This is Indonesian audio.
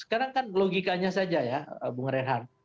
sekarang kan logikanya saja ya bung reinhard